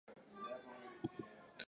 Mokyklą baigė Liepojoje.